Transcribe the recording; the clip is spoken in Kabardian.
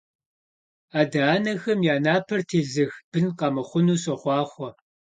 Ade - anexem ya naper têzıx bın khemıxhunu soxhuaxhue!